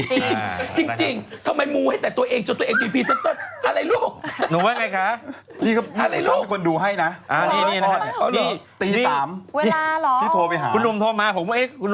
จริง